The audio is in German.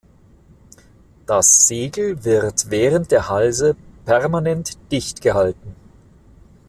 Das Segel wird während der Halse permanent dicht gehalten.